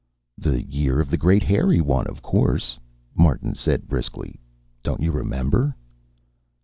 "The year of the great Hairy One, of course," Martin said briskly. "Don't you remember?"